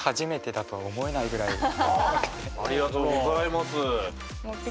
ありがとうございます。